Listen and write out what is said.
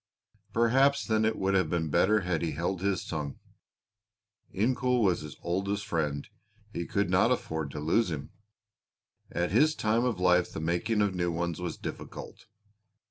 Perhaps then it would have been better had he held his tongue. Incoul was his oldest friend, he could not afford to lose him; at his time of life the making of new ones was difficult.